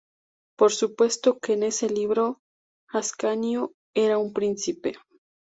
Por supuesto, que en ese libro, Ascanio era un príncipe".